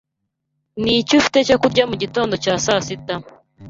Ni iki ufite cyo kurya mu gitondo cya saa sita?